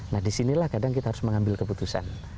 nah disinilah kadang kita harus mengambil keputusan